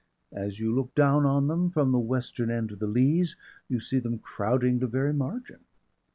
As you look down on them from the western end of the Leas, you see them crowding the very margin.